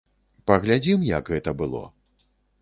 Паглядзім, як гэта было!